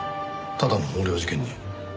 ただの横領事件に。